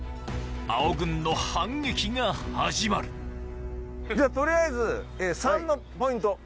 青軍の反撃が始まる取りあえず３のポイント。